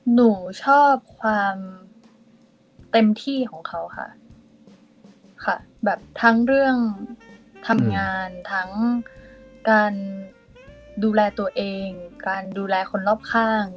หนูชอบความเต็มที่ของเขาค่ะค่ะแบบทั้งเรื่องทำงานทั้งการดูแลตัวเองการดูแลคนรอบข้าง